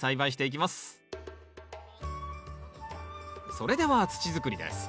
それでは土づくりです。